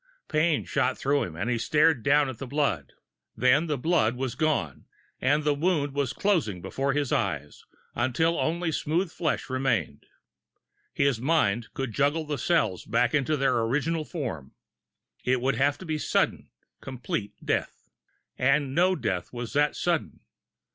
Pain shot through him, and he stared down at the blood. Then the blood was gone, and the wound was closing before his eyes, until only smooth flesh remained. His mind could juggle the cells back into their original form. It would have to be sudden, complete death. And no death was that sudden!